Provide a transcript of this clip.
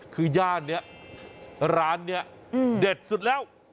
คือย่านนี้ร้านนี้เด็ดสุดแล้ว